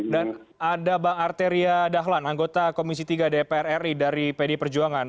dan ada bang arteria dahlan anggota komisi tiga dpr ri dari pd perjuangan